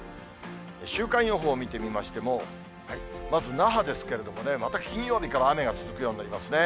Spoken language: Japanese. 週間予報を見てみましても、まず那覇ですけれどもね、また金曜日から雨が続くようになりますね。